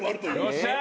よっしゃ！